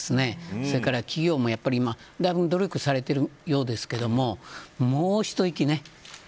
それから企業もだいぶ努力されているようですけれどもう一息ね